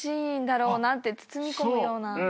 包み込むような。